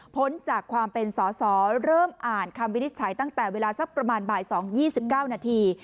พ้นจากความเป็นสอสอเริ่มอ่านคำวินิจฉัยตั้งแต่เวลาสักประมาณบ่าย๒๒๙นาที